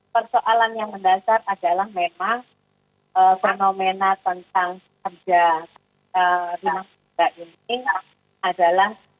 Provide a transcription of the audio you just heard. persoalan yang mendasar adalah memang fenomena tentang kerja ranah ini adalah